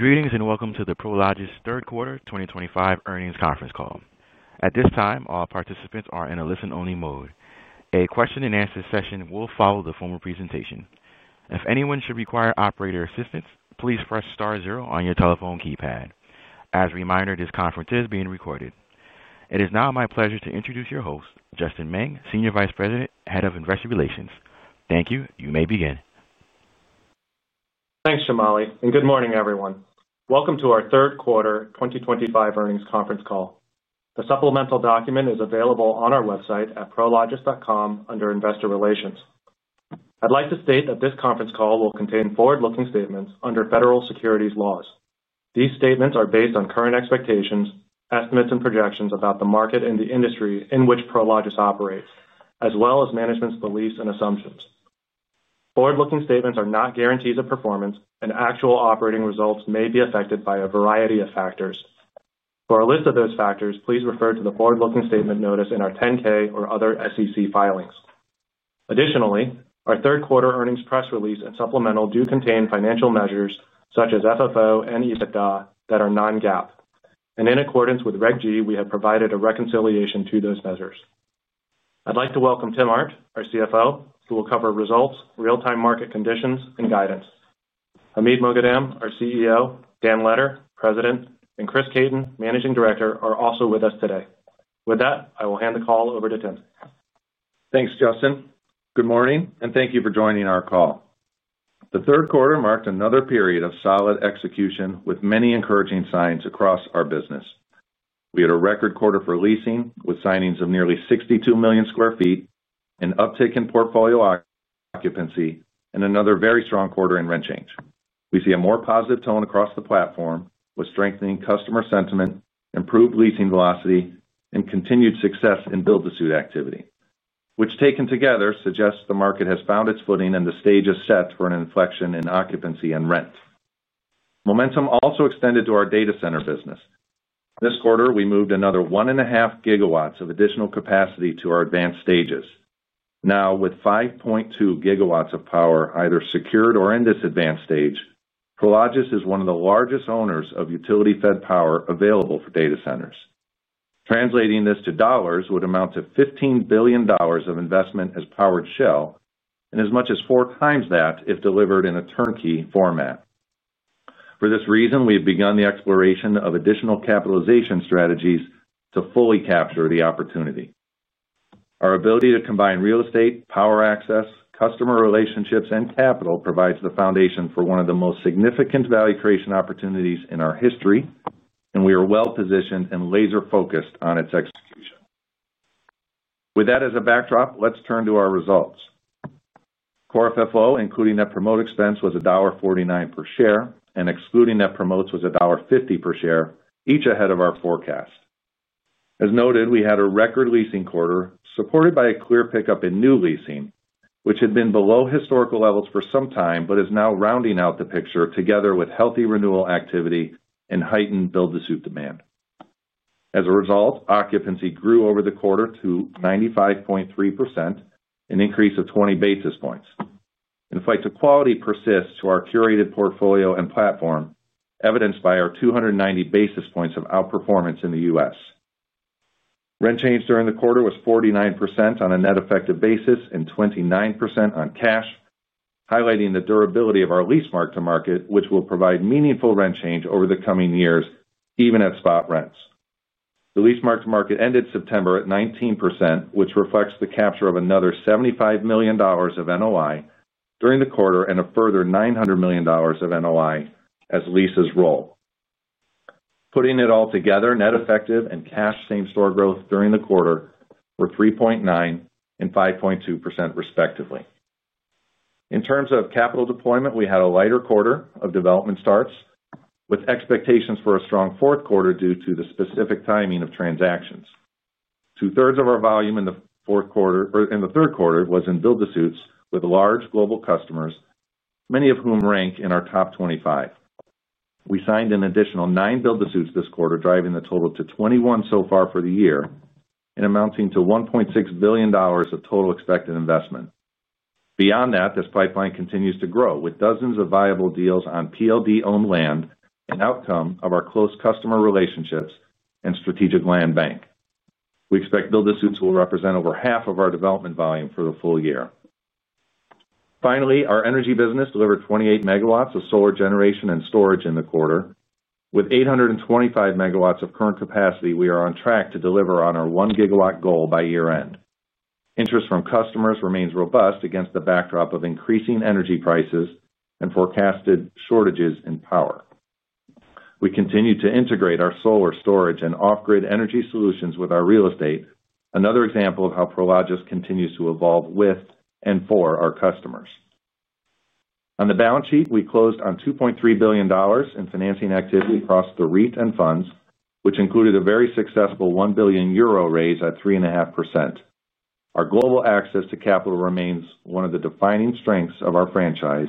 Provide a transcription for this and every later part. Greetings and welcome to the Prologis third quarter 2025 earnings conference call. At this time, all participants are in a listen-only mode. A question and answer session will follow the formal presentation. If anyone should require operator assistance, please press star zero on your telephone keypad. As a reminder, this conference is being recorded. It is now my pleasure to introduce your host, Justin Meng, Senior Vice President, Head of Investor Relations. Thank you. You may begin. Thanks, Jamali, and good morning, everyone. Welcome to our third quarter 2025 earnings conference call. The supplemental document is available on our website at prologis.com under Investor Relations. I'd like to state that this conference call will contain forward-looking statements under federal securities laws. These statements are based on current expectations, estimates, and projections about the market and the industry in which Prologis operates, as well as management's beliefs and assumptions. Forward-looking statements are not guarantees of performance, and actual operating results may be affected by a variety of factors. For a list of those factors, please refer to the forward-looking statement notice in our 10-K or other SEC filings. Additionally, our third quarter earnings press release and supplemental do contain financial measures such as FFO and EBITDA that are non-GAAP. In accordance with Reg G, we have provided a reconciliation to those measures. I'd like to welcome Tim Arndt, our CFO, who will cover results, real-time market conditions, and guidance. Hamid Moghadam, our CEO, Dan Letter, President, and Chris Caton, Managing Director, are also with us today. With that, I will hand the call over to Tim. Thanks, Justin. Good morning, and thank you for joining our call. The third quarter marked another period of solid execution with many encouraging signs across our business. We had a record quarter for leasing with signings of nearly 62 million sf, an uptick in portfolio occupancy, and another very strong quarter in rent change. We see a more positive tone across the platform with strengthening customer sentiment, improved leasing velocity, and continued success in build-to-suit activity, which taken together suggests the market has found its footing and the stage is set for an inflection in occupancy and rent. Momentum also extended to our data center business. This quarter, we moved another 1.5 GW of additional capacity to our advanced stages. Now, with 5.2 GW of power either secured or in this advanced stage, Prologis is one of the largest owners of utility-fed power available for data centers. Translating this to dollars would amount to $15 billion of investment as powered shell and as much as four times that if delivered in a turnkey format. For this reason, we have begun the exploration of additional capitalization strategies to fully capture the opportunity. Our ability to combine real estate, power access, customer relationships, and capital provides the foundation for one of the most significant value creation opportunities in our history, and we are well positioned and laser-focused on its execution. With that as a backdrop, let's turn to our results. Core FFO, including net promoted expense, was $1.49 per share, and excluding net promotes was $1.50 per share, each ahead of our forecast. As noted, we had a record leasing quarter supported by a clear pickup in new leasing, which had been below historical levels for some time but is now rounding out the picture together with healthy renewal activity and heightened build-to-suit demand. As a result, occupancy grew over the quarter to 95.3%, an increase of 20 basis points. The fight to quality persists to our curated portfolio and platform, evidenced by our 290 basis points of outperformance in the U.S. Rent change during the quarter was 49% on a net effective basis and 29% on cash, highlighting the durability of our lease mark-to-market, which will provide meaningful rent change over the coming years, even at spot rents. The lease mark-to-market ended September at 19%, which reflects the capture of another $75 million of NOI during the quarter and a further $900 million of NOI as leases roll. Putting it all together, net effective and cash same-store growth during the quarter were 3.9% and 5.2% respectively. In terms of capital deployment, we had a lighter quarter of development starts with expectations for a strong fourth quarter due to the specific timing of transactions. Two-thirds of our volume in the fourth quarter or in the third quarter was in build-to-suits with large global customers, many of whom rank in our top 25. We signed an additional nine build-to-suits this quarter, driving the total to 21 so far for the year and amounting to $1.6 billion of total expected investment. Beyond that, this pipeline continues to grow with dozens of viable deals on PLD-owned land, an outcome of our close customer relationships and strategic land bank. We expect build-to-suits will represent over half of our development volume for the full year. Finally, our energy business delivered 28 mw of solar generation and storage in the quarter. With 825 megawatts of current capacity, we are on track to deliver on our one gigawatt goal by year-end. Interest from customers remains robust against the backdrop of increasing energy prices and forecasted shortages in power. We continue to integrate our solar storage and off-grid energy solutions with our real estate, another example of how Prologis continues to evolve with and for our customers. On the balance sheet, we closed on $2.3 billion in financing activity across the REIT and funds, which included a very successful €1 billion raise at 3.5%. Our global access to capital remains one of the defining strengths of our franchise,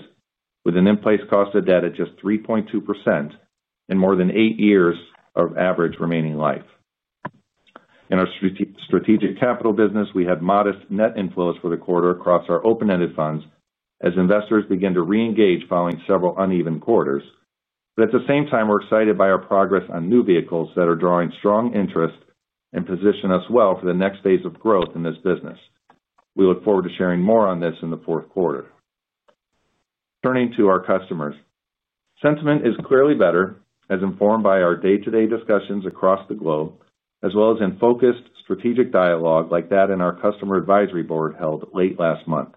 with an in-place cost of debt at just 3.2% and more than eight years of average remaining life. In our strategic capital business, we had modest net inflows for the quarter across our open-ended funds as investors began to re-engage following several uneven quarters. At the same time, we're excited by our progress on new vehicles that are drawing strong interest and position us well for the next phase of growth in this business. We look forward to sharing more on this in the fourth quarter. Turning to our customers, sentiment is clearly better as informed by our day-to-day discussions across the globe, as well as in focused strategic dialogue like that in our customer advisory board held late last month.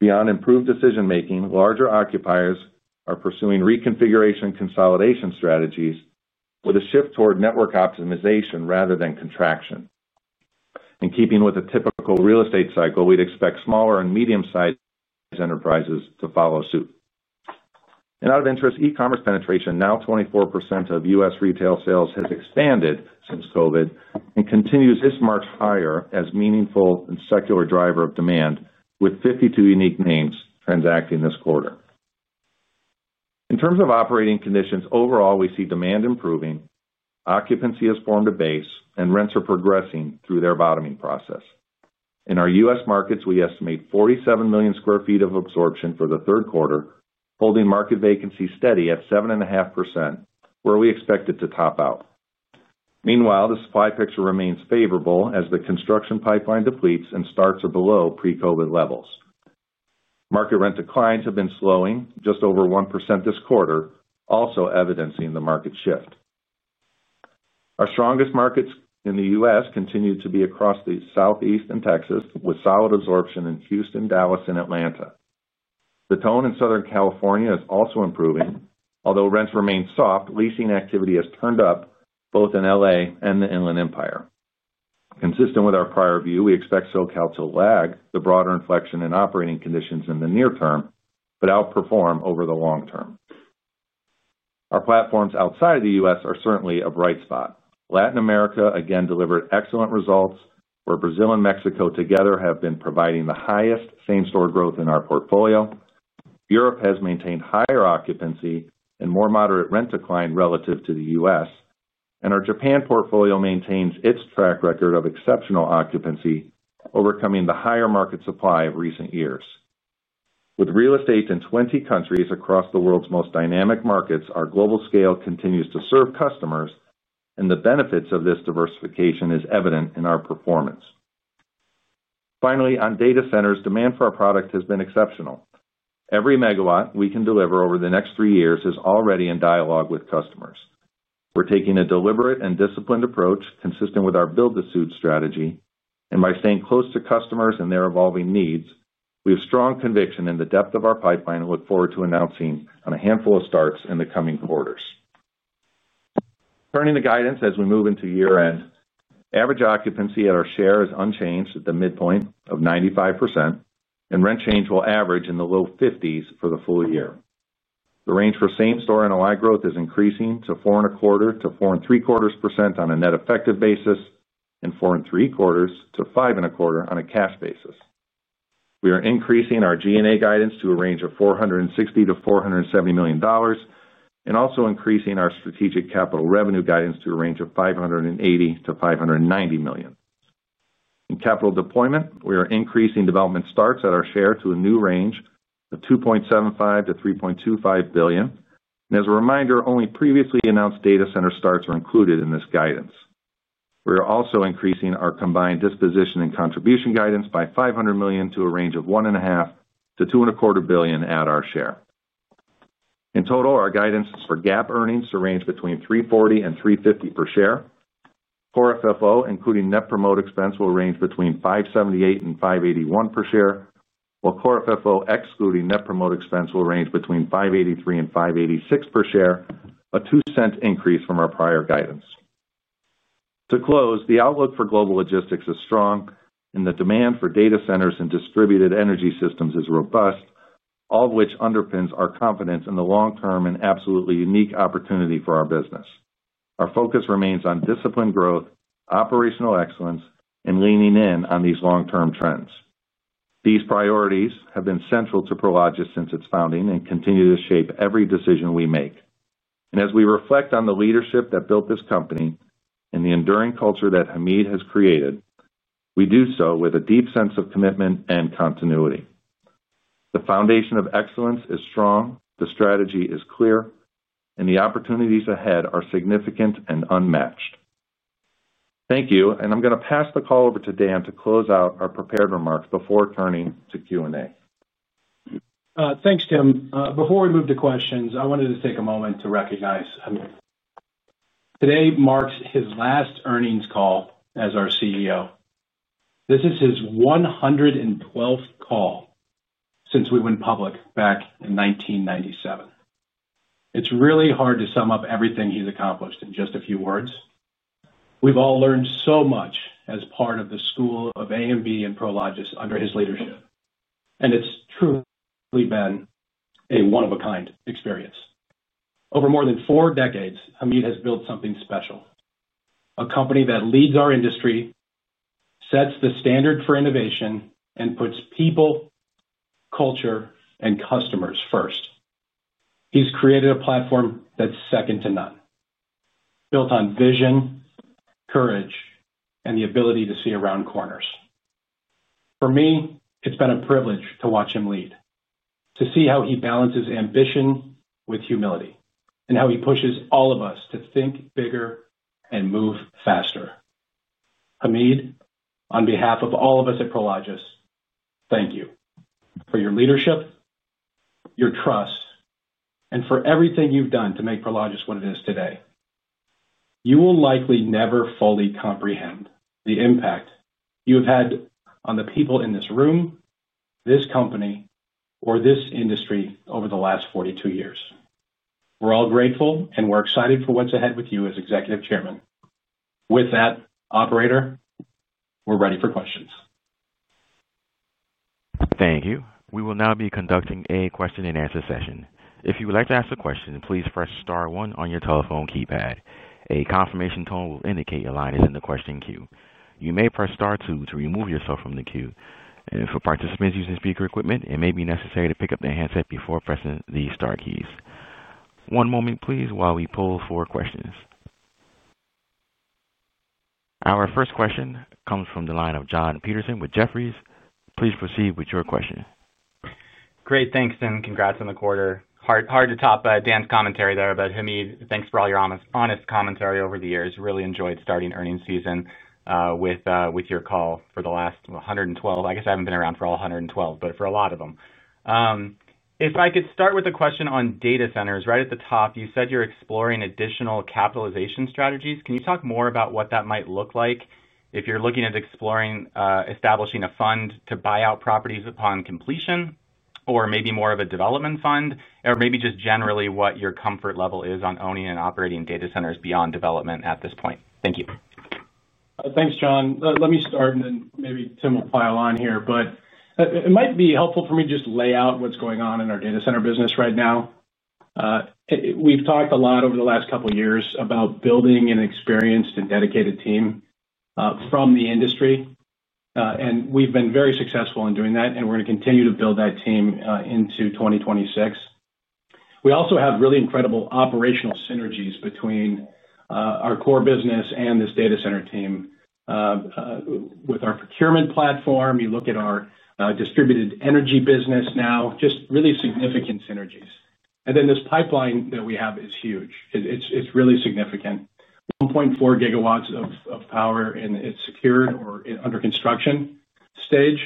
Beyond improved decision-making, larger occupiers are pursuing reconfiguration and consolidation strategies with a shift toward network optimization rather than contraction. In keeping with a typical real estate cycle, we'd expect smaller and medium-sized enterprises to follow suit. Out of interest, e-commerce penetration, now 24% of U.S. retail sales, has expanded since COVID and continues this march higher as a meaningful and secular driver of demand, with 52 unique names transacting this quarter. In terms of operating conditions overall, we see demand improving, occupancy has formed a base, and rents are progressing through their bottoming process. In our U.S. markets, we estimate 47 million square feet of absorption for the third quarter, holding market vacancy steady at 7.5%, where we expect it to top out. Meanwhile, the supply picture remains favorable as the construction pipeline depletes and starts are below pre-COVID levels. Market rent declines have been slowing, just over 1% this quarter, also evidencing the market shift. Our strongest markets in the U.S. continue to be across the Southeast and Texas, with solid absorption in Houston, Dallas, and Atlanta. The tone in Southern California is also improving. Although rents remain soft, leasing activity has turned up both in LA and the Inland Empire. Consistent with our prior view, we expect so-called to lag the broader inflection in operating conditions in the near term but outperform over the long term. Our platforms outside of the U.S. are certainly a bright spot. Latin America again delivered excellent results, where Brazil and Mexico together have been providing the highest same-store growth in our portfolio. Europe has maintained higher occupancy and more moderate rent decline relative to the U.S., and our Japan portfolio maintains its track record of exceptional occupancy, overcoming the higher market supply of recent years. With real estate in 20 countries across the world's most dynamic markets, our global scale continues to serve customers, and the benefits of this diversification are evident in our performance. Finally, on data centers, demand for our product has been exceptional. Every megawatt we can deliver over the next three years is already in dialogue with customers. We're taking a deliberate and disciplined approach consistent with our build-to-suit strategy, and by staying close to customers and their evolving needs, we have strong conviction in the depth of our pipeline and look forward to announcing on a handful of starts in the coming quarters. Turning to guidance as we move into year-end, average occupancy at our share is unchanged at the midpoint of 95%, and rent change will average in the low 50% for the full year. The range for same-store NOI growth is increasing to 4.25%-4.75% on a net effective basis and 4.75%-5.25% on a cash basis. We are increasing our G&A guidance to a range of $460 million-$470 million and also increasing our strategic capital revenue guidance to a range of $580 million-$590 million. In capital deployment, we are increasing development starts at our share to a new range of $2.75 billion-$3.25 billion. Only previously announced data center starts are included in this guidance. We are also increasing our combined disposition and contribution guidance by $500 million to a range of $1.5 billion-$2.25 billion at our share. In total, our guidance is for GAAP earnings to range between $3.40 and $3.50 per share. Core FFO, including net promote expense, will range between $5.78 and $5.81 per share, while Core FFO, excluding net promote expense, will range between $5.83 and $5.86 per share, a $0.02 increase from our prior guidance. To close, the outlook for global logistics is strong, and the demand for data centers and distributed energy systems is robust, all of which underpins our confidence in the long term and absolutely unique opportunity for our business. Our focus remains on disciplined growth, operational excellence, and leaning in on these long-term trends. These priorities have been central to Prologis since its founding and continue to shape every decision we make. As we reflect on the leadership that built this company and the enduring culture that Hamid has created, we do so with a deep sense of commitment and continuity. The foundation of excellence is strong, the strategy is clear, and the opportunities ahead are significant and unmatched. Thank you. I'm going to pass the call over to Dan to close out our prepared remarks before turning to Q&A. Thanks, Tim. Before we move to questions, I wanted to take a moment to recognize Hamid. Today marks his last earnings call as our CEO. This is his 112th call since we went public back in 1997. It's really hard to sum up everything he's accomplished in just a few words. We've all learned so much as part of the School of AMV and Prologis under his leadership. It's truly been a one-of-a-kind experience. Over more than four decades, Hamid has built something special, a company that leads our industry, sets the standard for innovation, and puts people, culture, and customers first. He's created a platform that's second to none, built on vision, courage, and the ability to see around corners. For me, it's been a privilege to watch him lead, to see how he balances ambition with humility and how he pushes all of us to think bigger and move faster. Hamid, on behalf of all of us at Prologis, thank you for your leadership, your trust, and for everything you've done to make Prologis what it is today. You will likely never fully comprehend the impact you have had on the people in this room, this company, or this industry over the last 42 years. We're all grateful and we're excited for what's ahead with you as Executive Chairman. With that, operator, we're ready for questions. Thank you. We will now be conducting a question and answer session. If you would like to ask a question, please press star one on your telephone keypad. A confirmation tone will indicate your line is in the question queue. You may press star two to remove yourself from the queue. For participants using speaker equipment, it may be necessary to pick up the headset before pressing the star keys. One moment, please, while we pull for questions. Our first question comes from the line of John Peterson with Jefferies. Please proceed with your question. Great. Thanks, Tim. Congrats on the quarter. Hard to top Dan's commentary there, but Hamid, thanks for all your honest commentary over the years. Really enjoyed starting earnings season with your call for the last 112. I guess I haven't been around for all 112, but for a lot of them. If I could start with a question on data centers. Right at the top, you said you're exploring additional capitalization strategies. Can you talk more about what that might look like if you're looking at exploring establishing a fund to buy out properties upon completion, or maybe more of a development fund, or maybe just generally what your comfort level is on owning and operating data centers beyond development at this point? Thank you. Thanks, John. Let me start, and then maybe Tim will pile on here. It might be helpful for me to just lay out what's going on in our data center business right now. We've talked a lot over the last couple of years about building an experienced and dedicated team from the industry. We've been very successful in doing that, and we're going to continue to build that team into 2026. We also have really incredible operational synergies between our core business and this data center team. With our procurement platform, you look at our distributed energy business now, just really significant synergies. This pipeline that we have is huge. It's really significant. $1.4 GW of power in its secured or under construction stage,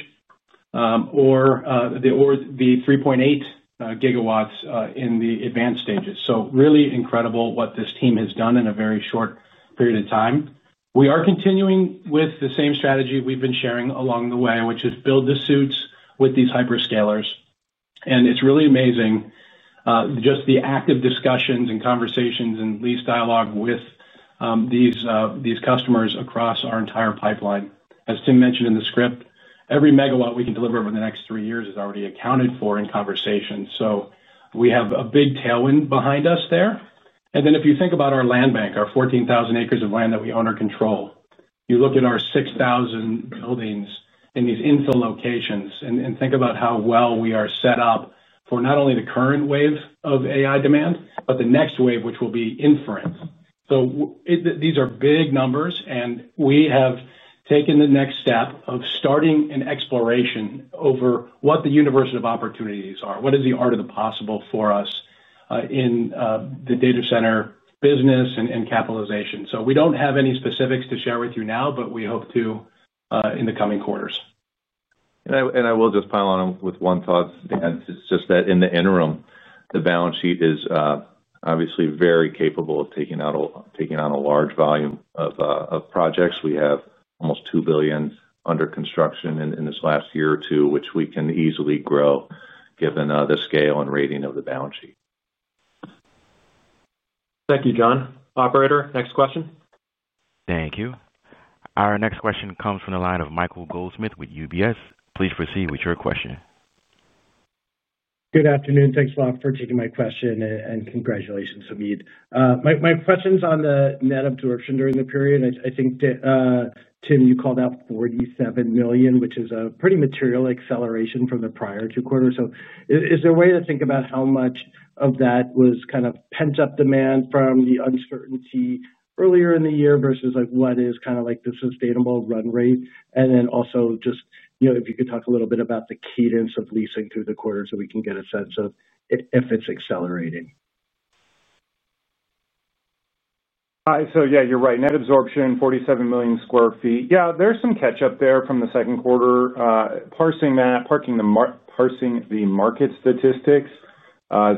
or the $3.8 GW in the advanced stages. It's really incredible what this team has done in a very short period of time. We are continuing with the same strategy we've been sharing along the way, which is build-to-suit with these hyperscalers. It's really amazing, just the active discussions and conversations and lease dialogue with these customers across our entire pipeline. As Tim mentioned in the script, every megawatt we can deliver over the next three years is already accounted for in conversations. We have a big tailwind behind us there. If you think about our land bank, our 14,000 acres of land that we own or control, you look at our 6,000 buildings in these infill locations and think about how well we are set up for not only the current wave of AI demand, but the next wave, which will be inference. These are big numbers, and we have taken the next step of starting an exploration over what the universe of opportunities are. What is the art of the possible for us in the data center business and capitalization? We don't have any specifics to share with you now, but we hope to in the coming quarters. I will just pile on with one thought. It's just that in the interim, the balance sheet is obviously very capable of taking out a large volume of projects. We have almost $2 billion under construction in this last year or two, which we can easily grow given the scale and rating of the balance sheet. Thank you, John. Operator, next question. Thank you. Our next question comes from the line of Michael Goldsmith with UBS. Please proceed with your question. Good afternoon. Thanks a lot for taking my question and congratulations, Hamid. My question is on the net absorption during the period. I think, Tim, you called out 47 million, which is a pretty material acceleration from the prior two quarters. Is there a way to think about how much of that was kind of pent-up demand from the uncertainty earlier in the year versus what is kind of like the sustainable run rate? Also, if you could talk a little bit about the cadence of leasing through the quarter so we can get a sense of if it's accelerating. You're right. Net absorption, 47 million sf. There's some catch-up there from the second quarter. Parsing that, the market statistics, is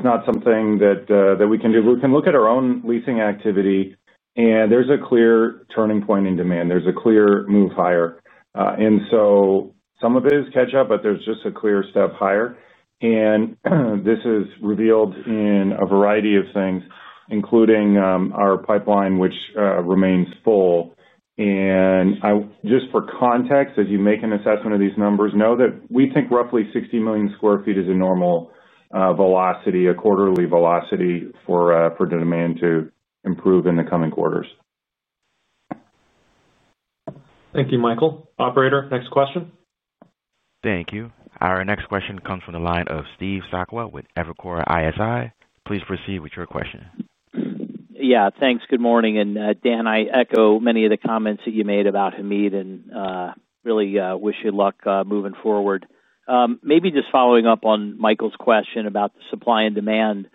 not something that we can do. We can look at our own leasing activity, and there's a clear turning point in demand. There's a clear move higher, and some of it is catch-up, but there's just a clear step higher. This is revealed in a variety of things, including our pipeline, which remains full. For context, as you make an assessment of these numbers, know that we think roughly 60 million sf is a normal velocity, a quarterly velocity for the demand to improve in the coming quarters. Thank you, Michael. Operator, next question. Thank you. Our next question comes from the line of Steve Sacqua with Evercore ISI. Please proceed with your question. Yeah, thanks. Good morning. Dan, I echo many of the comments that you made about Hamid and really wish you luck moving forward. Maybe just following up on Michael's question about the supply and demand,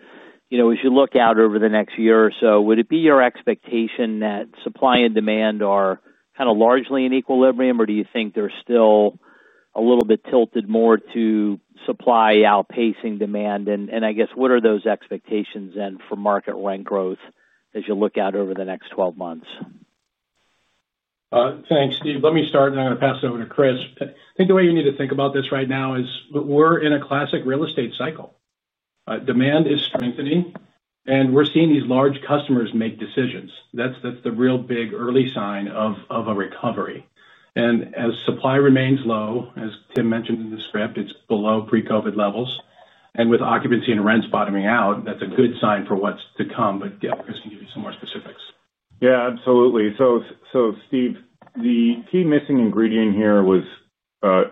as you look out over the next year or so, would it be your expectation that supply and demand are kind of largely in equilibrium, or do you think they're still a little bit tilted more to supply outpacing demand? I guess, what are those expectations then for market rent growth as you look out over the next 12 months? Thanks, Steve. Let me start, and I'm going to pass it over to Chris. I think the way we need to think about this right now is we're in a classic real estate cycle. Demand is strengthening, and we're seeing these large customers make decisions. That's the real big early sign of a recovery. As supply remains low, as Tim mentioned in the script, it's below pre-COVID levels. With occupancy and rents bottoming out, that's a good sign for what's to come. Chris can give you some more specifics. Absolutely. Steve, the key missing ingredient here was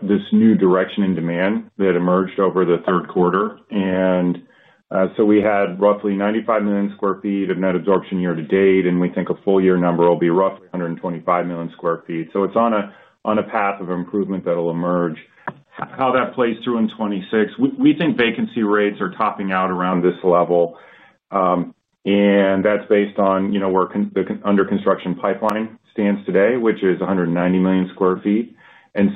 this new direction in demand that emerged over the third quarter. We had roughly 95 million square feet of net absorption year to date, and we think a full year number will be roughly 125 million square feet. It's on a path of improvement that'll emerge. How that plays through in 2026, we think vacancy rates are topping out around this level. That's based on where the under construction pipeline stands today, which is 190 million square feet.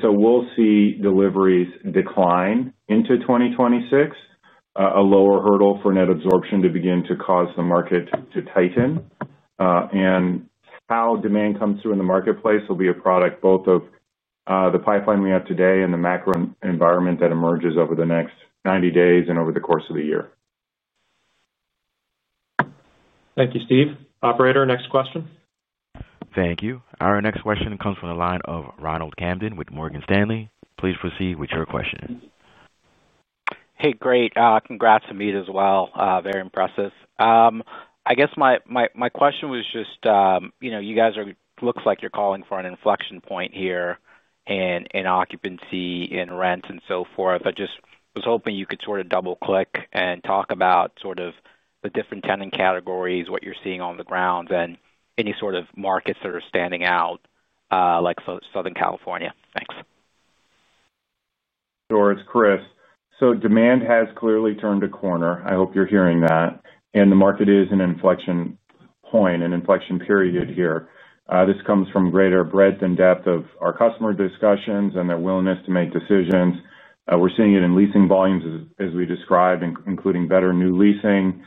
We'll see deliveries decline into 2026, a lower hurdle for net absorption to begin to cause the market to tighten. How demand comes through in the marketplace will be a product both of the pipeline we have today and the macro environment that emerges over the next 90 days and over the course of the year. Thank you, Steve. Operator, next question. Thank you. Our next question comes from the line of Ronald Camden with Morgan Stanley. Please proceed with your question. Hey, great. Congrats, Hamid, as well. Very impressive. I guess my question was just, you know, you guys are, looks like you're calling for an inflection point here in occupancy and rents and so forth. I just was hoping you could sort of double-click and talk about sort of the different tenant categories, what you're seeing on the ground, and any sort of markets that are standing out, like Southern California. Thanks. Sure. It's Chris. Demand has clearly turned a corner. I hope you're hearing that. The market is in an inflection point, an inflection period here. This comes from greater breadth and depth of our customer discussions and their willingness to make decisions. We're seeing it in leasing volumes, as we described, including better new leasing,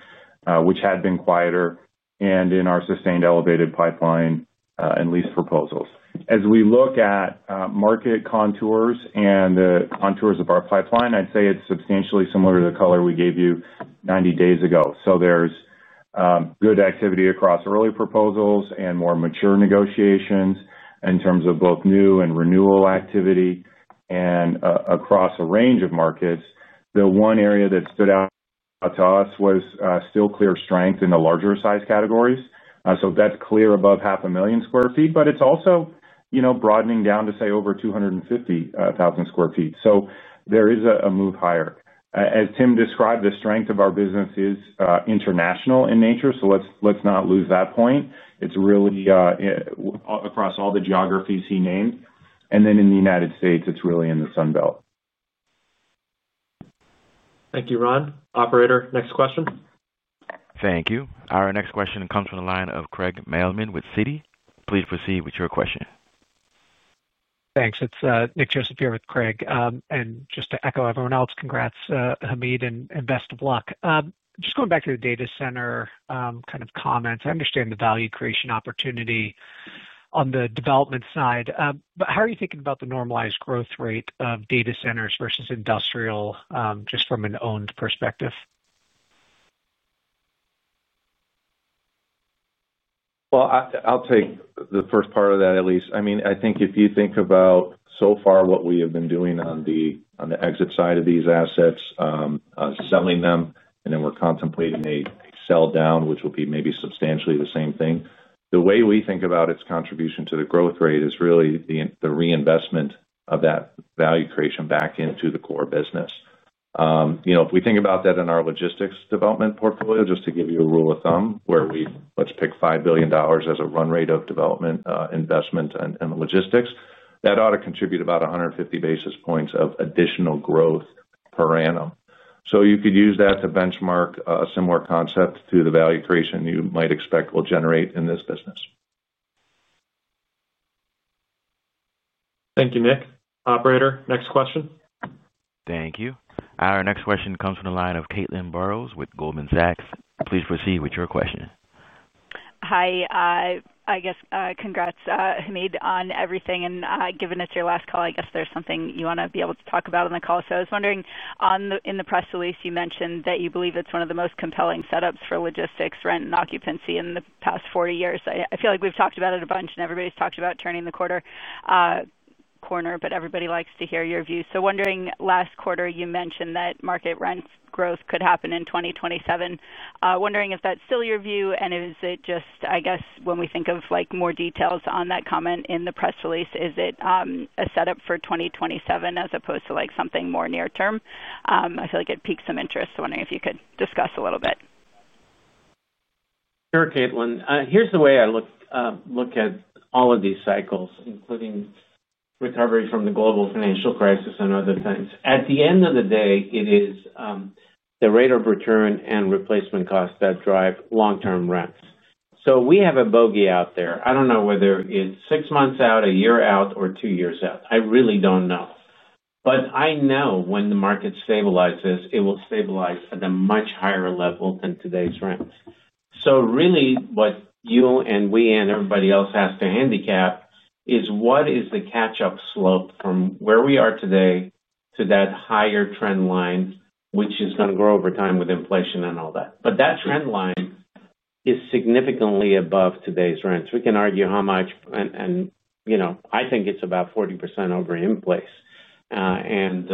which had been quieter, and in our sustained elevated pipeline and lease proposals. As we look at market contours and the contours of our pipeline, I'd say it's substantially similar to the color we gave you 90 days ago. There's good activity across early proposals and more mature negotiations in terms of both new and renewal activity and across a range of markets. The one area that stood out to us was still clear strength in the larger size categories. That's clear above half a million square feet, but it's also broadening down to say over 250,000 square feet. There is a move higher. As Tim described, the strength of our business is international in nature. Let's not lose that point. It's really across all the geographies he named. In the U.S., it's really in the Sun Belt. Thank you, Ron. Operator, next question. Thank you. Our next question comes from the line of Craig Mailman with Citi. Please proceed with your question. Thanks. It's Nick Joseph here with Craig. Just to echo everyone else, congrats, Hamid, and best of luck. Just going back to the data center kind of comments, I understand the value creation opportunity on the development side, but how are you thinking about the normalized growth rate of data centers versus industrial, just from an owned perspective? I think if you think about so far what we have been doing on the exit side of these assets, selling them, and then we're contemplating a sell down, which will be maybe substantially the same thing. The way we think about its contribution to the growth rate is really the reinvestment of that value creation back into the core business. You know, if we think about that in our logistics development portfolio, just to give you a rule of thumb, where we let's pick $5 billion as a run rate of development investment and logistics, that ought to contribute about 150 basis points of additional growth per annum. You could use that to benchmark a similar concept to the value creation you might expect will generate in this business. Thank you, Nick. Operator, next question. Thank you. Our next question comes from the line of Caitlin Burrows with Goldman Sachs. Please proceed with your question. Hi. I guess congrats, Hamid, on everything. Given it's your last call, I guess there's something you want to be able to talk about on the call. I was wondering, in the press release, you mentioned that you believe it's one of the most compelling setups for logistics, rent, and occupancy in the past 40 years. I feel like we've talked about it a bunch, and everybody's talked about turning the corner, but everybody likes to hear your view. Wondering, last quarter, you mentioned that market rent growth could happen in 2027. Wondering if that's still your view, and is it just, I guess, when we think of more details on that comment in the press release, is it a setup for 2027 as opposed to something more near term? I feel like it piqued some interest. Wondering if you could discuss a little bit. Sure, Caitlin. Here's the way I look at all of these cycles, including recovery from the global financial crisis and other things. At the end of the day, it is the rate of return and replacement costs that drive long-term rents. We have a bogey out there. I don't know whether it's six months out, a year out, or two years out. I really don't know. I know when the market stabilizes, it will stabilize at a much higher level than today's rent. What you and we and everybody else has to handicap is what is the catch-up slope from where we are today to that higher trend line, which is going to grow over time with inflation and all that. That trend line is significantly above today's rent. We can argue how much, and you know I think it's about 40% over in place, and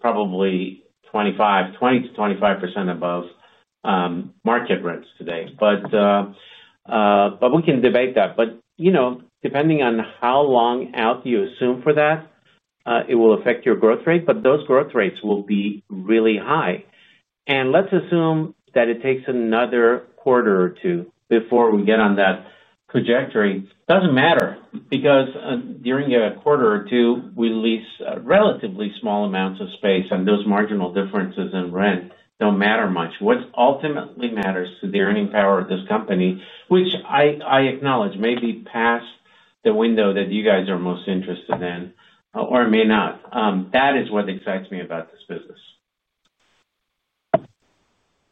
probably 20%-25% above market rents today. We can debate that. Depending on how long out you assume for that, it will affect your growth rate, but those growth rates will be really high. Let's assume that it takes another quarter or two before we get on that trajectory. It doesn't matter because during a quarter or two, we lease relatively small amounts of space, and those marginal differences in rent don't matter much. What ultimately matters to the earning power of this company, which I acknowledge may be past the window that you guys are most interested in, or it may not, that is what excites me about this business.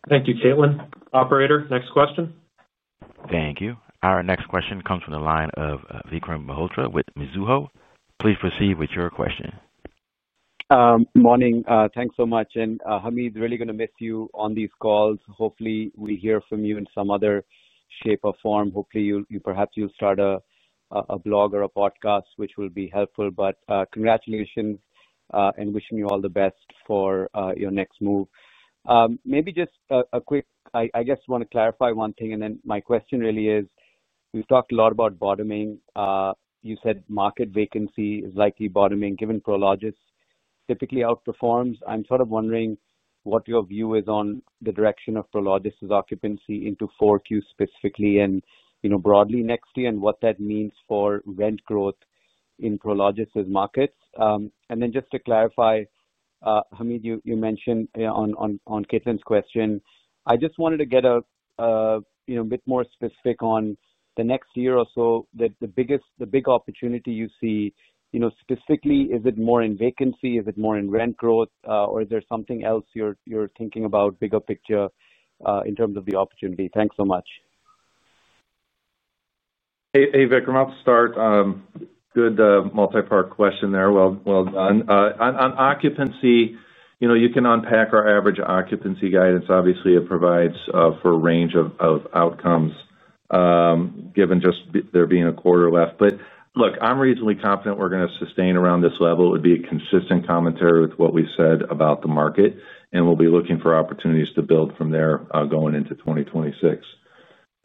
Thank you, Caitlin. Operator, next question. Thank you. Our next question comes from the line of Vikram Malhotra with Mizuho. Please proceed with your question. Morning. Thanks so much. Hamid, is really going to miss you on these calls. Hopefully, we hear from you in some other shape or form. Hopefully, you perhaps will start a blog or a podcast, which will be helpful. Congratulations and wishing you all the best for your next move. Maybe just a quick, I guess, want to clarify one thing. My question really is, we've talked a lot about bottoming. You said market vacancy is likely bottoming given Prologis typically outperforms. I'm sort of wondering what your view is on the direction of Prologis's occupancy into 4Q specifically and, you know, broadly next year and what that means for rent growth in Prologis's markets. Just to clarify, Hamid, you mentioned on Caitlin's question, I just wanted to get a bit more specific on the next year or so, the big opportunity you see, you know, specifically, is it more in vacancy? Is it more in rent growth, or is there something else you're thinking about, bigger picture, in terms of the opportunity? Thanks so much. Hey, Vikram. I'll start. Good multipart question there. On occupancy, you can unpack our average occupancy guidance. Obviously, it provides for a range of outcomes given just there being a quarter left. Look, I'm reasonably confident we're going to sustain around this level. It would be a consistent commentary with what we said about the market. We'll be looking for opportunities to build from there going into 2026.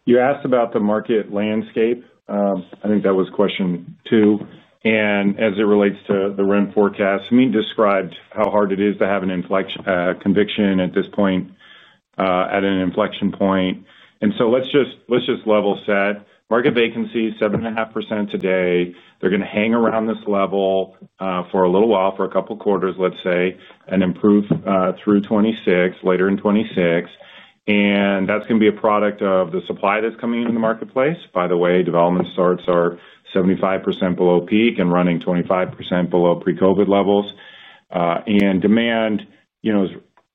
You asked about the market landscape. I think that was question two. As it relates to the rent forecast, Hamid described how hard it is to have an inflection conviction at this point at an inflection point. Let's just level set. Market vacancy is 7.5% today. They're going to hang around this level for a little while, for a couple of quarters, let's say, and improve through 2026, later in 2026. That's going to be a product of the supply that's coming into the marketplace. By the way, development starts are 75% below peak and running 25% below pre-COVID levels. Demand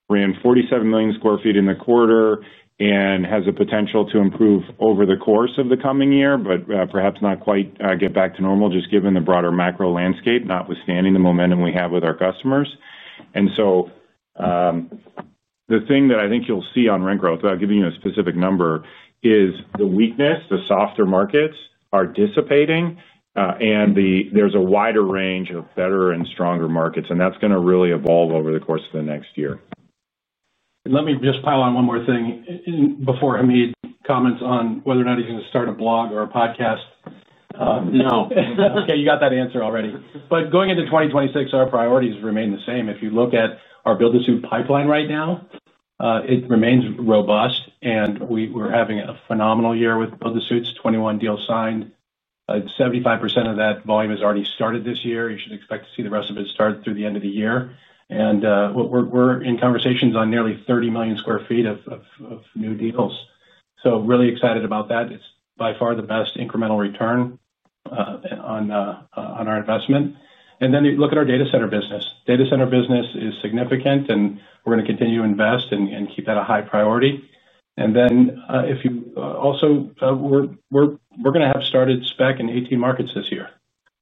ran 47 million square feet in the quarter and has the potential to improve over the course of the coming year, but perhaps not quite get back to normal, just given the broader macro landscape, notwithstanding the momentum we have with our customers. The thing that I think you'll see on rent growth, without giving you a specific number, is the weakness, the softer markets are dissipating, and there's a wider range of better and stronger markets. That's going to really evolve over the course of the next year. Let me just pile on one more thing before Hamid comments on whether or not he's going to start a blog or a podcast. No. Okay, you got that answer already. Going into 2026, our priorities remain the same. If you look at our build-to-suit pipeline right now, it remains robust. We're having a phenomenal year with build-to-suits, 21 deals signed. 75% of that volume has already started this year. You should expect to see the rest of it start through the end of the year. We're in conversations on nearly 30 million square feet of new deals. Really excited about that. It's by far the best incremental return on our investment. You look at our data center business. Data center business is significant, and we're going to continue to invest and keep that a high priority. We're going to have started spec in 18 markets this year.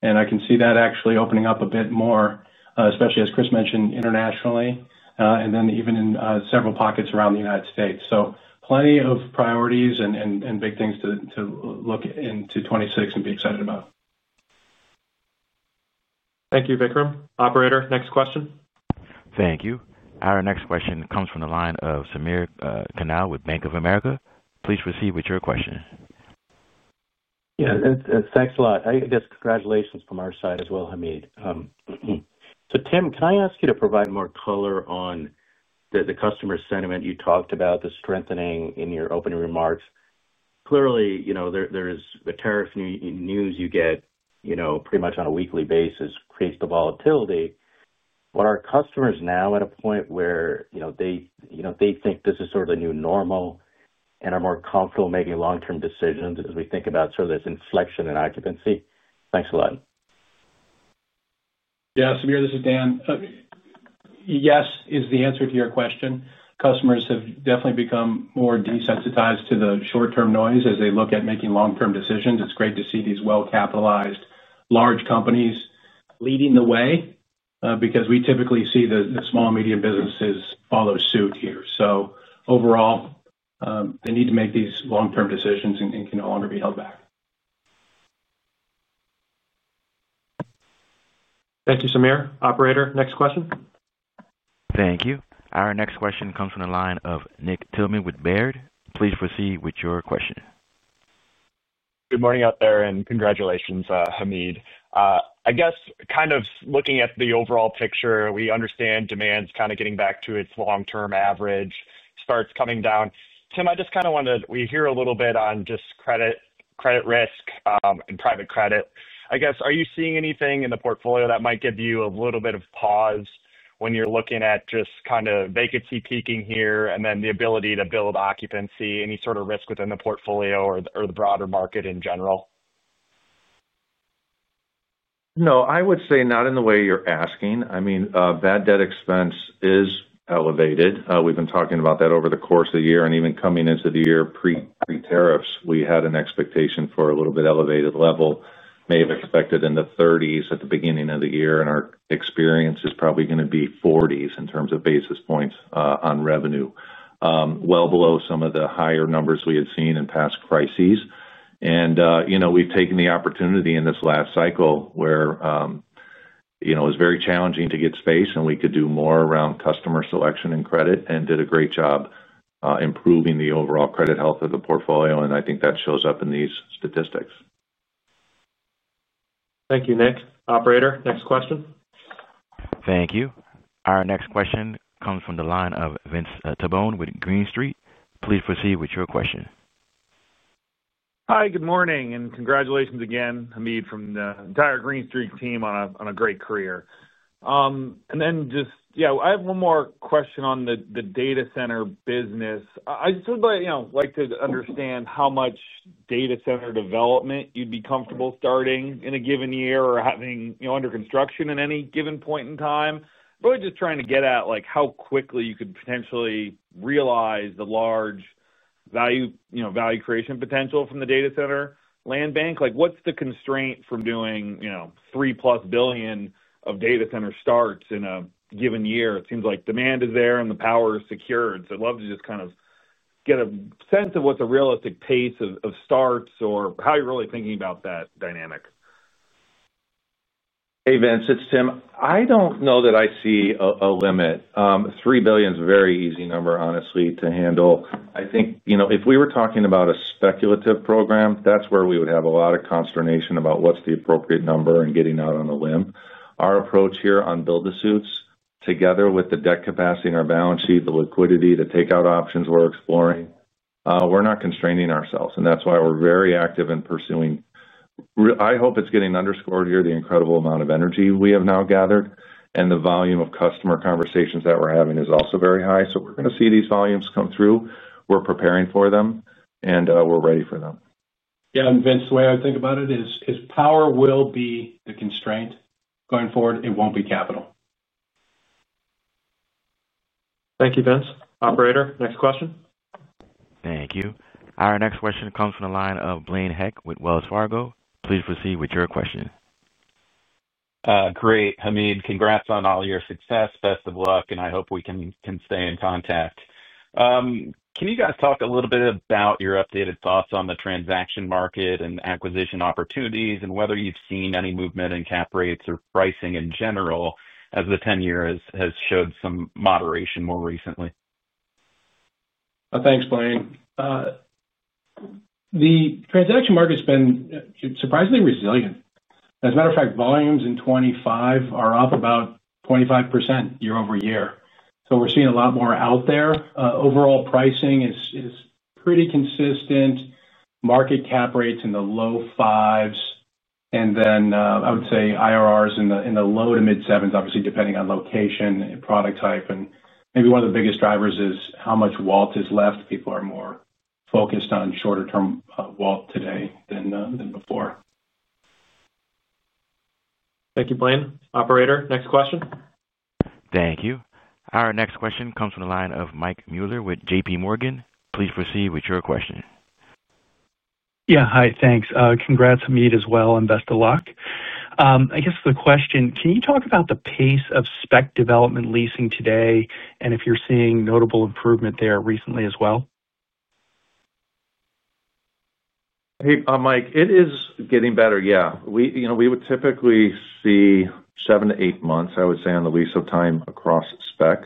I can see that actually opening up a bit more, especially as Chris mentioned, internationally, and even in several pockets around the United States. Plenty of priorities and big things to look into 2026 and be excited about. Thank you, Vikram. Operator, next question. Thank you. Our next question comes from the line of Samir Kanal with Bank of America. Please proceed with your question. Yeah, thanks a lot. I guess congratulations from our side as well, Hamid. Tim, can I ask you to provide more color on the customer sentiment you talked about, the strengthening in your opening remarks? Clearly, you know, there is a tariff news you get pretty much on a weekly basis, creates the volatility. Are customers now at a point where they think this is sort of the new normal and are more comfortable making long-term decisions as we think about this inflection in occupancy? Thanks a lot. Yeah, Samir, this is Dan. Yes is the answer to your question. Customers have definitely become more desensitized to the short-term noise as they look at making long-term decisions. It's great to see these well-capitalized large companies leading the way, because we typically see the small and medium businesses follow suit here. Overall, they need to make these long-term decisions and can no longer be held back. Thank you, Samir. Operator, next question. Thank you. Our next question comes from the line of Nick Tillman with Baird. Please proceed with your question. Good morning out there and congratulations, Hamid. I guess kind of looking at the overall picture, we understand demand's kind of getting back to its long-term average, starts coming down. Tim, I just wanted to hear a little bit on just credit risk and private credit. I guess, are you seeing anything in the portfolio that might give you a little bit of pause when you're looking at just kind of vacancy peaking here and then the ability to build occupancy? Any sort of risk within the portfolio or the broader market in general? No, I would say not in the way you're asking. I mean, bad debt expense is elevated. We've been talking about that over the course of the year. Even coming into the year pre-tariffs, we had an expectation for a little bit elevated level, may have expected in the 30s at the beginning of the year. Our experience is probably going to be 40s in terms of basis points on revenue, well below some of the higher numbers we had seen in past crises. We've taken the opportunity in this last cycle where it was very challenging to get space, and we could do more around customer selection and credit and did a great job, improving the overall credit health of the portfolio. I think that shows up in these statistics. Thank you, Nick. Operator, next question. Thank you. Our next question comes from the line of Vince Tabone with Green Street. Please proceed with your question. Hi, good morning. Congratulations again, Hamid, from the entire Green Street team on a great career. I have one more question on the data center business. I would like to understand how much data center development you'd be comfortable starting in a given year or having under construction at any given point in time. Really just trying to get at how quickly you could potentially realize the large value creation potential from the data center land bank. What's the constraint from doing $3+ billion of data center starts in a given year? It seems like demand is there and the power is secured. I'd love to get a sense of what's a realistic pace of starts or how you're really thinking about that dynamic. Hey, Vince. It's Tim. I don't know that I see a limit. $3 billion is a very easy number, honestly, to handle. I think if we were talking about a speculative program, that's where we would have a lot of consternation about what's the appropriate number and getting out on a limb. Our approach here on build-to-suits, together with the debt capacity in our balance sheet, the liquidity, the takeout options we're exploring, we're not constraining ourselves. That's why we're very active in pursuing. I hope it's getting underscored here, the incredible amount of energy we have now gathered, and the volume of customer conversations that we're having is also very high. We're going to see these volumes come through. We're preparing for them, and we're ready for them. Yeah, Vince, the way I would think about it is power will be the constraint going forward. It won't be capital. Thank you, Vince. Operator, next question. Thank you. Our next question comes from the line of Blaine Heck with Wells Fargo. Please proceed with your question. Great, Hamid. Congrats on all your success. Best of luck. I hope we can stay in contact. Can you guys talk a little bit about your updated thoughts on the transaction market and acquisition opportunities and whether you've seen any movement in cap rates or pricing in general as the 10-year has showed some moderation more recently? Thanks, Blaine. The transaction market's been surprisingly resilient. As a matter of fact, volumes in 2025 are up about 25% year over year. We're seeing a lot more out there. Overall pricing is pretty consistent. Market cap rates in the low fives, and I would say IRRs in the low to mid-sevens, obviously depending on location and product type. Maybe one of the biggest drivers is how much WALT is left. People are more focused on shorter-term WALT today than before. Thank you, Blaine. Operator, next question. Thank you. Our next question comes from the line of Mike Mueller with J.P. Morgan. Please proceed with your question. Yeah. Hi. Thanks. Congrats, Hamid, as well, and best of luck. I guess the question, can you talk about the pace of spec development leasing today and if you're seeing notable improvement there recently as well? Hey, Mike. It is getting better, yeah. We would typically see seven to eight months, I would say, on the lease of time across spec.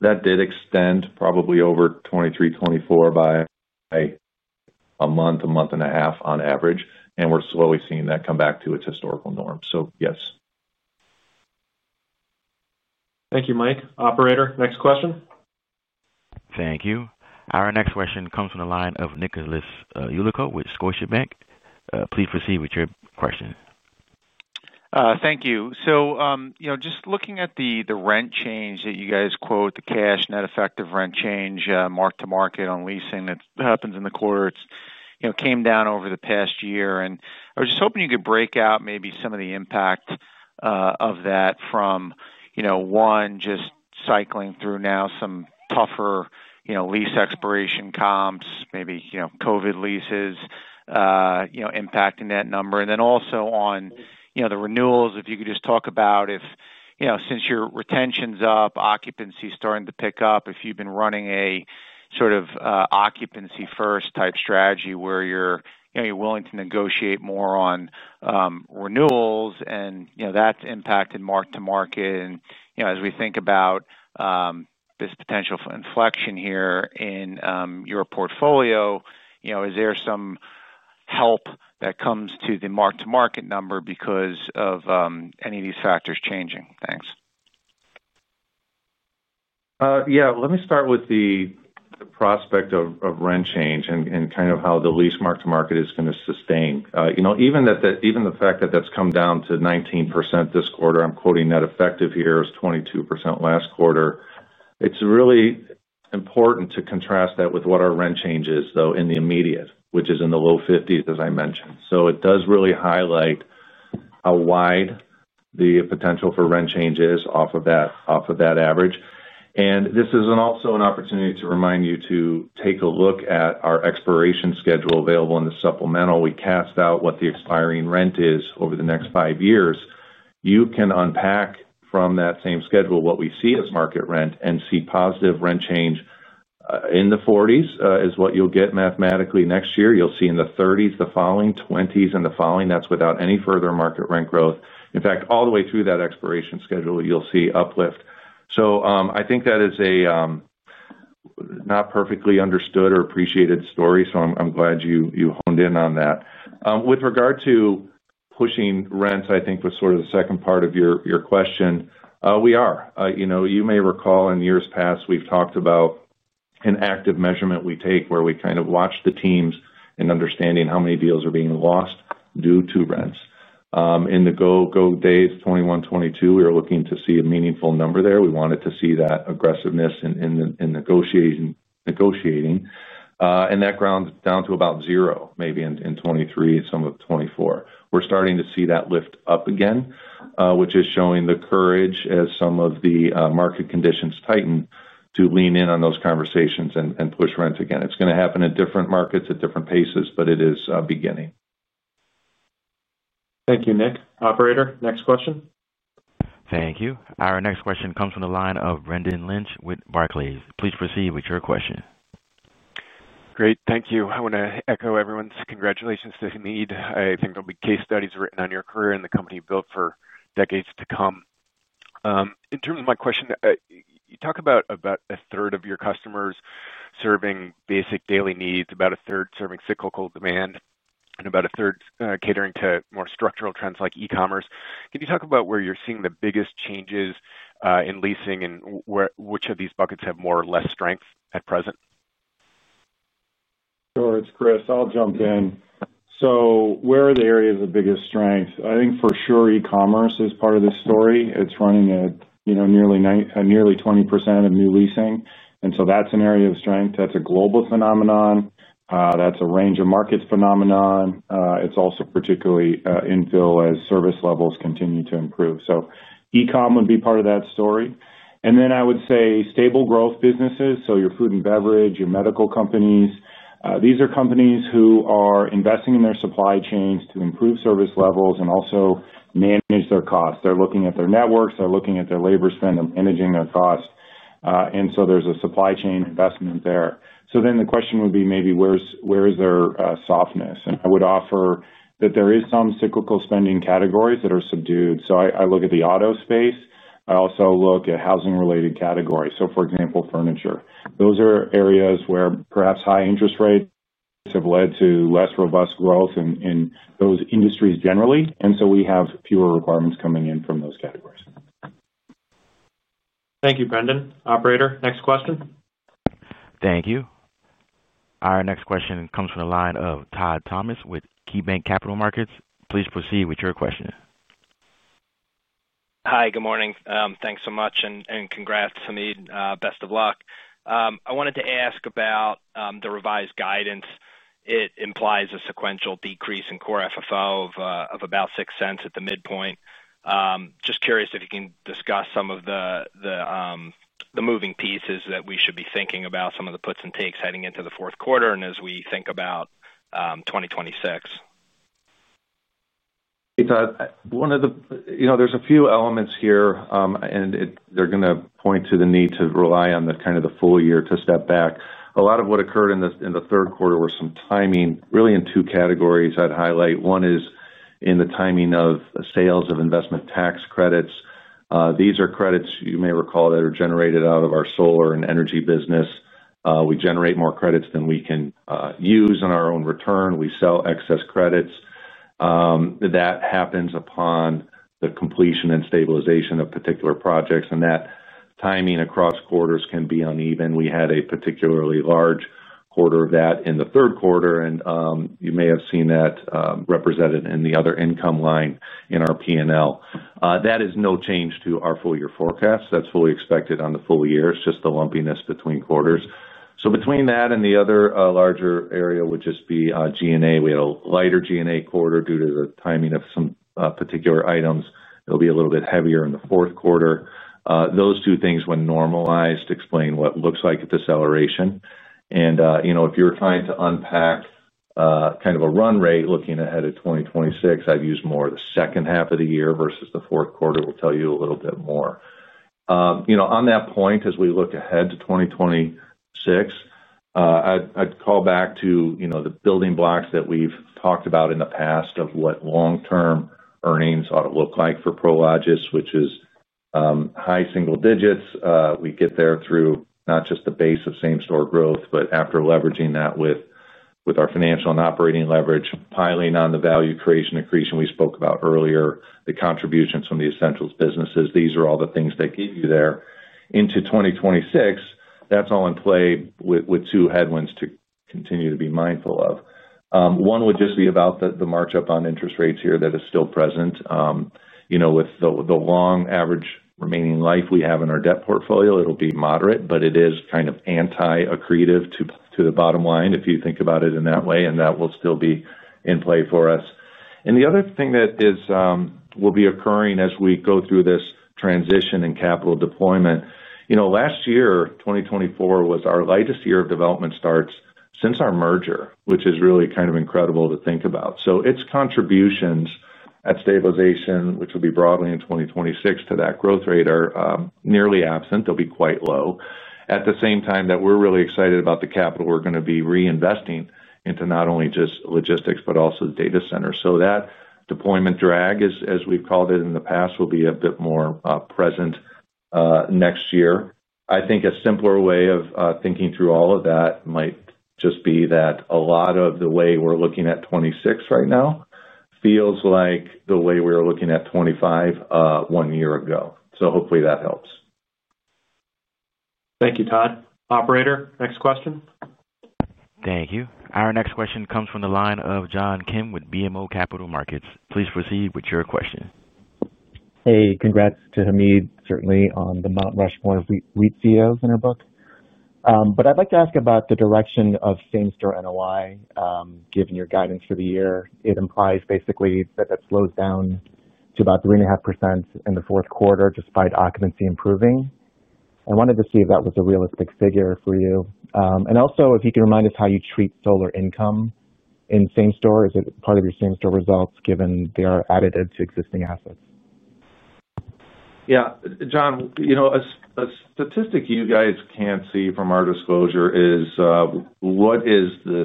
That did extend probably over 2023, 2024 by a month, a month and a half on average. We're slowly seeing that come back to its historical norm. Yes. Thank you, Mike. Operator, next question. Thank you. Our next question comes from the line of Nicholas Uliko with Scotiabank. Please proceed with your question. Thank you. Just looking at the rent change that you guys quote, the cash net effective rent change marked to market on leasing that happens in the quarter, it came down over the past year. I was just hoping you could break out maybe some of the impact of that from, one, just cycling through now some tougher lease expiration comps, maybe COVID leases impacting that number. Also, on the renewals, if you could just talk about if, since your retention's up, occupancy's starting to pick up, if you've been running a sort of occupancy-first type strategy where you're willing to negotiate more on renewals, and that's impacted mark-to-market. As we think about this potential inflection here in your portfolio, is there some help that comes to the mark-to-market number because of any of these factors changing? Thanks. Let me start with the prospect of rent change and kind of how the lease mark-to-market is going to sustain. Even the fact that that's come down to 19% this quarter, I'm quoting net effective here, it was 22% last quarter. It's really important to contrast that with what our rent change is, though, in the immediate, which is in the low 50%, as I mentioned. It does really highlight how wide the potential for rent change is off of that average. This is also an opportunity to remind you to take a look at our expiration schedule available in the supplemental. We cast out what the expiring rent is over the next five years. You can unpack from that same schedule what we see as market rent and see positive rent change. In the 40% is what you'll get mathematically next year. You'll see in the 30%, the following, 20%, and the following. That's without any further market rent growth. In fact, all the way through that expiration schedule, you'll see uplift. I think that is a not perfectly understood or appreciated story. I'm glad you honed in on that. With regard to pushing rents, I think that was sort of the second part of your question. You may recall in years past, we've talked about an active measurement we take where we kind of watch the teams in understanding how many deals are being lost due to rents. In the go-go days 2021, 2022, we were looking to see a meaningful number there. We wanted to see that aggressiveness in negotiating. That grounds down to about zero, maybe in 2023, some of 2024. We're starting to see that lift up again, which is showing the courage as some of the market conditions tighten to lean in on those conversations and push rents again. It's going to happen in different markets at different paces, but it is beginning. Thank you, Nick. Operator, next question. Thank you. Our next question comes from the line of Brendan Lynch with Barclays. Please proceed with your question. Great. Thank you. I want to echo everyone's congratulations, Hamid. I think there'll be case studies written on your career and the company built for decades to come. In terms of my question, you talk about a third of your customers serving basic daily needs, about a third serving cyclical demand, and about a third catering to more structural trends like e-commerce. Can you talk about where you're seeing the biggest changes in leasing and which of these buckets have more or less strength at present? Sure. It's Chris. I'll jump in. Where are the areas of biggest strength? I think for sure e-commerce is part of this story. It's running at, you know, nearly 20% of new leasing. That's an area of strength. That's a global phenomenon. That's a range of markets phenomenon. It's also particularly infill as service levels continue to improve. E-com would be part of that story. I would say stable growth businesses, so your food and beverage, your medical companies. These are companies who are investing in their supply chains to improve service levels and also manage their costs. They're looking at their networks. They're looking at their labor spend and managing their costs. There's a supply chain investment there. The question would be maybe where is there softness? I would offer that there are some cyclical spending categories that are subdued. I look at the auto space. I also look at housing-related categories. For example, furniture. Those are areas where perhaps high interest rates have led to less robust growth in those industries generally. We have fewer requirements coming in from those categories. Thank you, Brendan. Operator, next question. Thank you. Our next question comes from the line of Todd Thomas with KeyBank Capital Markets. Please proceed with your question. Hi. Good morning. Thanks so much. Congrats, Hamid. Best of luck. I wanted to ask about the revised guidance. It implies a sequential decrease in core FFO of about $0.06 at the midpoint. Just curious if you can discuss some of the moving pieces that we should be thinking about, some of the puts and takes heading into the fourth quarter and as we think about 2026. Hey, Todd. There are a few elements here, and they're going to point to the need to rely on the full year to step back. A lot of what occurred in the third quarter was some timing, really in two categories I'd highlight. One is in the timing of sales of investment tax credits. These are credits, you may recall, that are generated out of our solar and energy business. We generate more credits than we can use on our own return. We sell excess credits. That happens upon the completion and stabilization of particular projects, and that timing across quarters can be uneven. We had a particularly large quarter of that in the third quarter, and you may have seen that represented in the other income line in our P&L. That is no change to our full-year forecast. That's fully expected on the full year. It's just the lumpiness between quarters. Between that and the other larger area would just be G&A. We had a lighter G&A quarter due to the timing of some particular items. It'll be a little bit heavier in the fourth quarter. Those two things, when normalized, explain what looks like a deceleration. If you're trying to unpack kind of a run rate looking ahead at 2026, I'd use more of the second half of the year versus the fourth quarter will tell you a little bit more. On that point, as we look ahead to 2026, I'd call back to the building blocks that we've talked about in the past of what long-term earnings ought to look like for Prologis, which is high single digits. We get there through not just the base of same-store growth, but after leveraging that with our financial and operating leverage, piling on the value creation and accretion we spoke about earlier, the contribution from the essentials businesses. These are all the things that give you there. Into 2026, that's all in play with two headwinds to continue to be mindful of. One would just be about the march up on interest rates here that is still present. With the long average remaining life we have in our debt portfolio, it'll be moderate, but it is kind of anti-accretive to the bottom line if you think about it in that way, and that will still be in play for us. The other thing that will be occurring as we go through this transition and capital deployment, last year, 2024 was our lightest year of development starts since our merger, which is really kind of incredible to think about. Its contributions at stabilization, which will be broadly in 2026 to that growth rate, are nearly absent. They'll be quite low. At the same time, we're really excited about the capital we're going to be reinvesting into not only just logistics, but also the data center. That deployment drag, as we've called it in the past, will be a bit more present next year. I think a simpler way of thinking through all of that might just be that a lot of the way we're looking at 2026 right now feels like the way we were looking at 2025 one year ago. Hopefully that helps. Thank you, Todd. Operator, next question. Thank you. Our next question comes from the line of John Kim with BMO Capital Markets. Please proceed with your question. Hey, congrats to Hamid, certainly on the Mount Rushmore of CEOs in our book. I'd like to ask about the direction of same-store NOI, given your guidance for the year. It implies basically that it slows down to about 3.5% in the fourth quarter despite occupancy improving. I wanted to see if that was a realistic figure for you. Also, if you could remind us how you treat solar income in same-store. Is it part of your same-store results given they are additive to existing assets? Yeah. John, you know, a statistic you guys can't see from our disclosure is what is the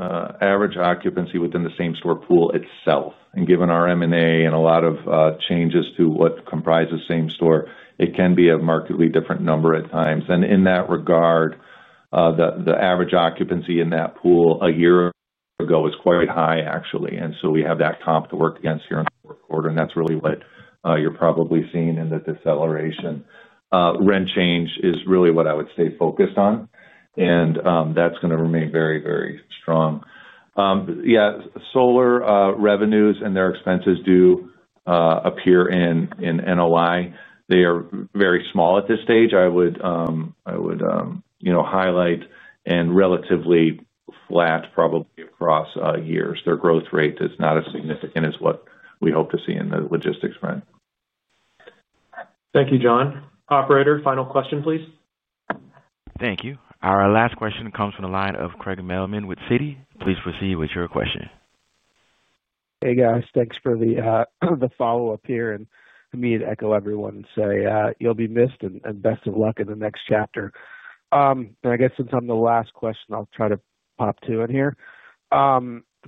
average occupancy within the same-store pool itself. Given our M&A and a lot of changes to what comprises same-store, it can be a markedly different number at times. In that regard, the average occupancy in that pool a year ago was quite high, actually. We have that comp to work against here in the fourth quarter. That's really what you're probably seeing in the deceleration. Rent change is really what I would stay focused on, and that's going to remain very, very strong. Yeah, solar revenues and their expenses do appear in NOI. They are very small at this stage. I would highlight and relatively flat probably across years. Their growth rate is not as significant as what we hope to see in the logistics front. Thank you, John. Operator, final question, please. Thank you. Our last question comes from the line of Craig Mailman with Citi. Please proceed with your question. Hey, guys. Thanks for the follow-up here. Hamid, echo everyone and say you'll be missed and best of luck in the next chapter. I guess since I'm the last question, I'll try to pop two in here.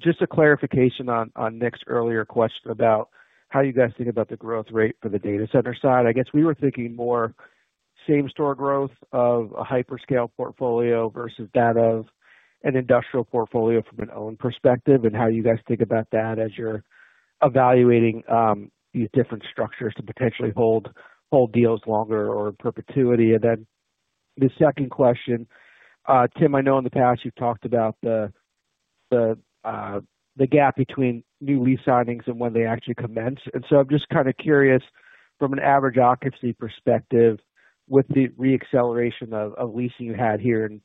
Just a clarification on Nick's earlier question about how you guys think about the growth rate for the data center side. I guess we were thinking more same-store growth of a hyperscale portfolio versus that of an industrial portfolio from an own perspective and how you guys think about that as you're evaluating these different structures to potentially hold deals longer or in perpetuity. The second question, Tim, I know in the past you've talked about the gap between new lease signings and when they actually commence. I'm just kind of curious from an average occupancy perspective with the re-acceleration of leasing you had here in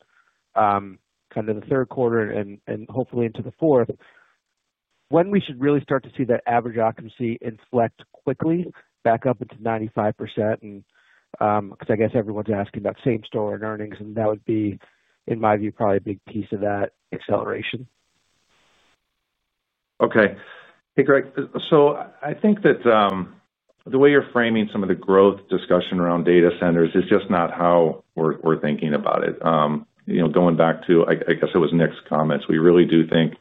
kind of the third quarter and hopefully into the fourth, when we should really start to see that average occupancy inflect quickly back up into 95%. I guess everyone's asking about same-store and earnings, and that would be, in my view, probably a big piece of that acceleration. Okay. Hey, Craig. I think that the way you're framing some of the growth discussion around data centers is just not how we're thinking about it. Going back to, I guess it was Nick's comments, we really do think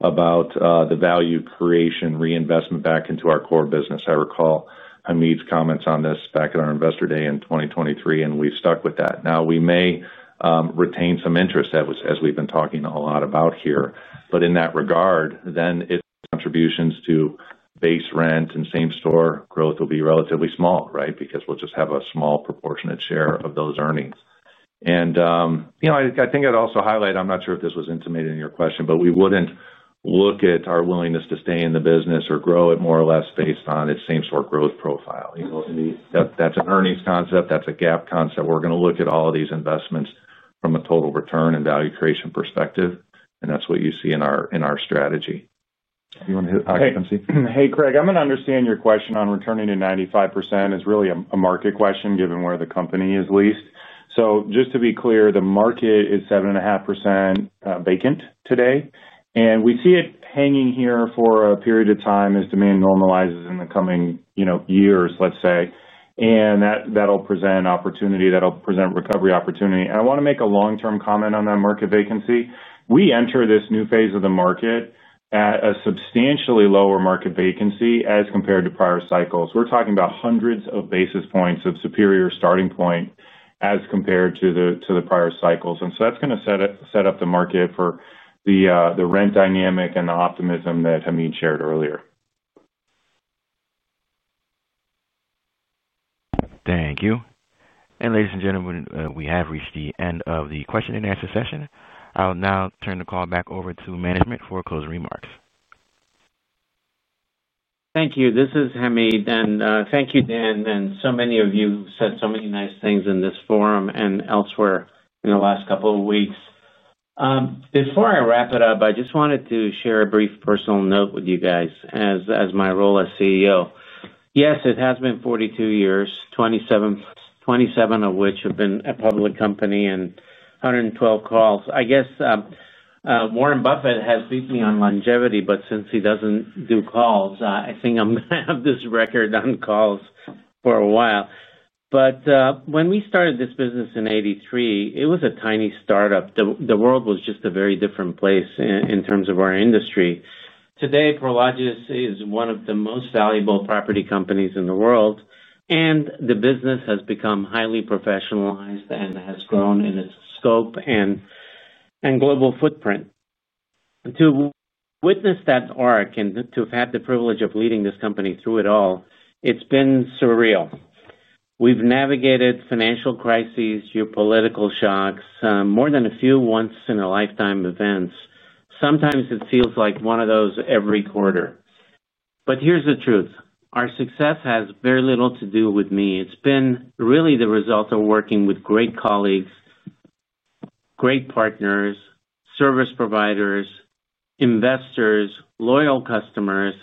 about the value creation reinvestment back into our core business. I recall Hamid's comments on this back at our investor day in 2023, and we stuck with that. We may retain some interest as we've been talking a lot about here. In that regard, its contributions to base rent and same-store growth will be relatively small, right, because we'll just have a small proportionate share of those earnings. I think I'd also highlight, I'm not sure if this was intimated in your question, but we wouldn't look at our willingness to stay in the business or grow it more or less based on its same-store growth profile. That's an earnings concept. That's a GAAP concept. We're going to look at all of these investments from a total return and value creation perspective. That's what you see in our strategy. You want to hit occupancy? Hey, Craig. I'm going to understand your question on returning to 95% is really a market question given where the company is leased. Just to be clear, the market is 7.5% vacant today. We see it hanging here for a period of time as demand normalizes in the coming years, let's say. That'll present opportunity. That'll present recovery opportunity. I want to make a long-term comment on that market vacancy. We enter this new phase of the market at a substantially lower market vacancy as compared to prior cycles. We're talking about hundreds of basis points of superior starting point as compared to the prior cycles. That's going to set up the market for the rent dynamic and the optimism that Hamid shared earlier. Thank you. Ladies and gentlemen, we have reached the end of the question and answer session. I'll now turn the call back over to management for closing remarks. Thank you. This is Hamid. Thank you, Dan. So many of you said so many nice things in this forum and elsewhere in the last couple of weeks. Before I wrap it up, I just wanted to share a brief personal note with you guys as my role as CEO. Yes, it has been 42 years, 27 of which have been a public company and 112 calls. I guess Warren Buffett has beat me on longevity, but since he doesn't do calls, I think I'm going to have this record on calls for a while. When we started this business in 1983, it was a tiny startup. The world was just a very different place in terms of our industry. Today, Prologis is one of the most valuable property companies in the world. The business has become highly professionalized and has grown in its scope and global footprint. To have witnessed that arc and to have had the privilege of leading this company through it all, it's been surreal. We've navigated financial crises, geopolitical shocks, more than a few once-in-a-lifetime events. Sometimes it feels like one of those every quarter. Here's the truth. Our success has very little to do with me. It's really the result of working with great colleagues, great partners, service providers, investors, loyal customers,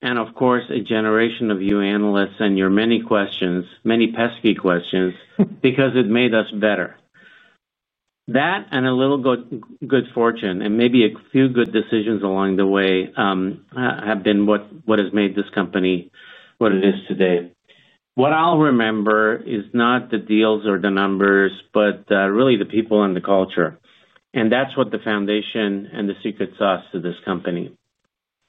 and of course, a generation of you analysts and your many questions, many pesky questions, because it made us better. That and a little good fortune and maybe a few good decisions along the way have been what has made this company what it is today. What I'll remember is not the deals or the numbers, but really the people and the culture. That's the foundation and the secret sauce of this company.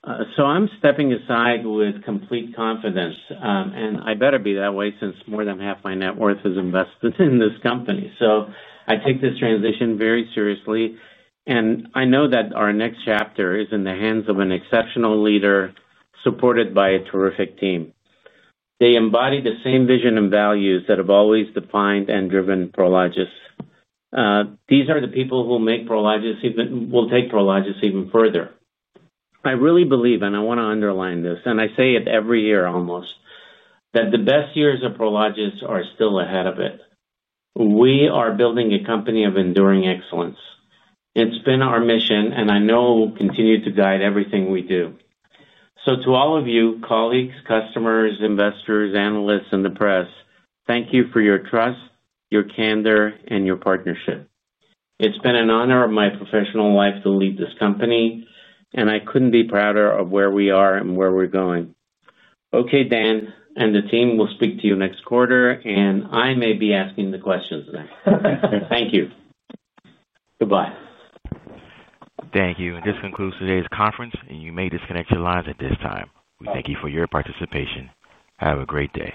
I'm stepping aside with complete confidence. I better be that way since more than half my net worth is invested in this company. I take this transition very seriously. I know that our next chapter is in the hands of an exceptional leader supported by a terrific team. They embody the same vision and values that have always defined and driven Prologis. These are the people who make Prologis, will take Prologis even further. I really believe, and I want to underline this, and I say it every year almost, that the best years of Prologis are still ahead of it. We are building a company of enduring excellence. It's been our mission, and I know it will continue to guide everything we do. To all of you, colleagues, customers, investors, analysts, and the press, thank you for your trust, your candor, and your partnership. It's been an honor of my professional life to lead this company, and I couldn't be prouder of where we are and where we're going. Okay, Dan and the team will speak to you next quarter, and I may be asking the questions next. Thank you. Goodbye. Thank you. This concludes today's conference, and you may disconnect your lines at this time. We thank you for your participation. Have a great day.